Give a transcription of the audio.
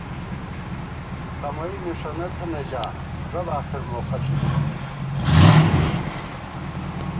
ݭمَئی نِݭَنہ تھنہ ژا ، رب آخر موقع ݪِبہ